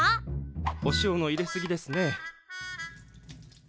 お塩の入れ過ぎですねえ。